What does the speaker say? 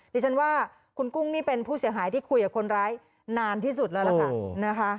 ดิฉันว่าคุณกุ้งนี่เป็นผู้เสียหายที่คุยกับคนร้ายนานที่สุดแล้วล่ะค่ะนะคะ